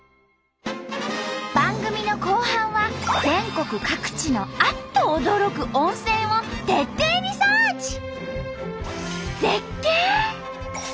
番組の後半は全国各地のあっと驚く温泉を徹底リサーチ！